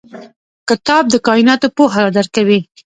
کتاب د کایناتو پوهه درکوي.